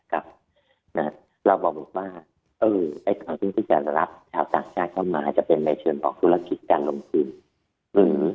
แล้วบอกบอกบ้างจะรับชาวต่างชาติเข้ามาจะเป็นใบเชิญบอกธุรกิจการลงคืน